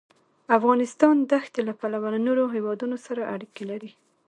افغانستان د ښتې له پلوه له نورو هېوادونو سره اړیکې لري.